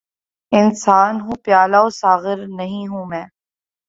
انسان ہوں‘ پیالہ و ساغر نہیں ہوں میں!